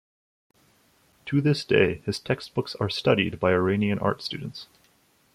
To this day, his textbooks are studied by Iranian art students.